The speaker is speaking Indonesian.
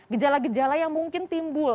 gejala gejala yang mungkin timbul